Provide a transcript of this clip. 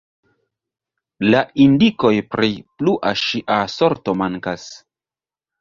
La indikoj pri plua ŝia sorto mankas.